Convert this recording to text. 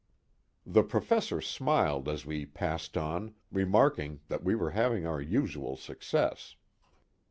The Professor smiled as we passed on, remarking that we were having our usual success.